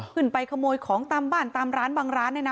ขึ้นไปขโมยของตามบ้านตามร้านบางร้านเนี่ยนะ